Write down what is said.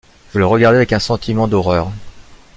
Je le regardai avec un sentiment d’horreur.